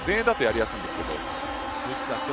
前衛だとやりやすいんですけど。